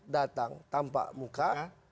datang tanpa muka